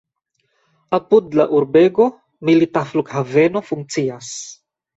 Apud la urbego milita flughaveno funkcias.